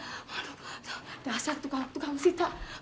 aduh dahsyat tuh kamu tuh kamu sita